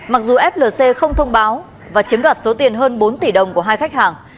mặc dù flc không thông báo và chiếm đoạt số tiền hơn bốn tỷ đồng của hai khách hàng